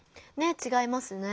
違いますね。